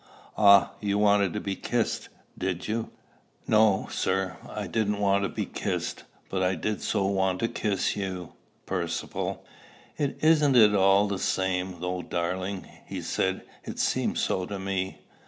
"Ah! you wanted to be kissed, did you?" "No, sir. I didn't want to be kissed; but I did so want to kiss you, Percivale." "Isn't it all the same, though, darling?" he said. "It seems so to me."